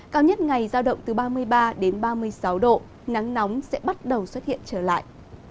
cao nhất ngày giao động từ ba mươi ba đến ba mươi sáu độ nắng nóng sẽ bắt đầu xuất hiện trở lại